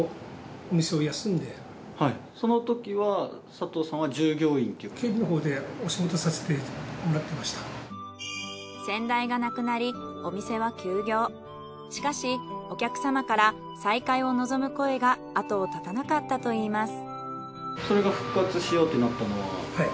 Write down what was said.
仙岩峠の茶屋はしかしお客様から再開を望む声が後を絶たなかったといいます。